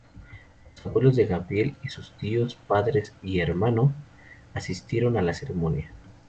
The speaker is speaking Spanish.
Los abuelos de Gabriel y sus tíos, padres y hermano, asistieron a la ceremonia.